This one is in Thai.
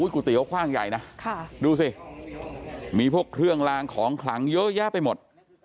กุฏิเขาคว่างใหญ่นะดูสิมีพวกเครื่องลางของขลังเยอะแยะไปหมด